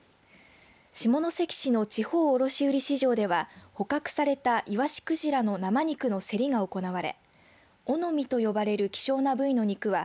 下関市の地方卸売市場では捕獲されたイワシクジラの生肉の競りが行われ尾の身と呼ばれる希少な部位の肉は